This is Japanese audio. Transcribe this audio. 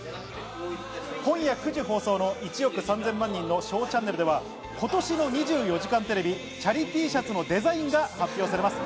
今夜９時放送の『１億３０００万人のＳＨＯＷチャンネル』では、今年の『２４時間テレビ』チャリＴシャツのデザインが発表されます。